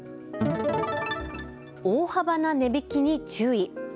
大幅な値引きに注意。